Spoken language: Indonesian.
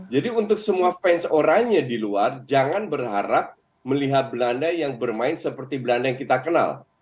jadi untuk semua fans orangnya di luar jangan berharap melihat belanda yang bermain seperti belanda yang kita kenal